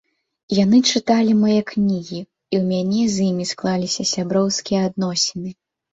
Яны чыталі мае кнігі, і ў мяне з імі склаліся сяброўскія адносіны.